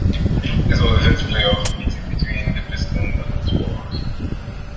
This was the first playoff meeting between the Pistons and the Spurs.